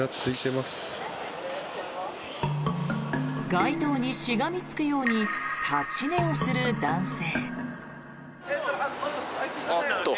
街灯にしがみつくように立ち寝をする男性。